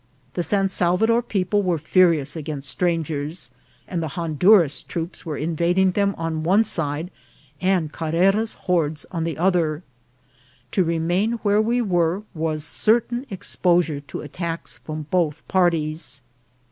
The San Salvador people were furious against strangers, and the Honduras troops wefe invading them on one side, and Carrera's hordes on the other. To remain where we were was certain exposure to attacks from both parties.